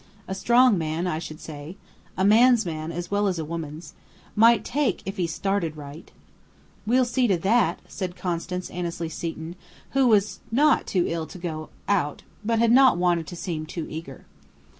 A strong man, I should say. A man's man as well as a woman's. Might 'take' if he's started right." "We'll see to that," said Constance Annesley Seton, who was not too ill to go out but had not wanted to seem too eager.